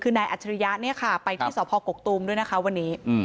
คือในอัจฉริยะไปที่สภกกตูมด้วยนะคะวันนี้